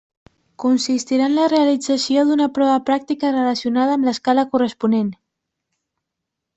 Consistirà en la realització d'una prova pràctica relacionada amb l'escala corresponent.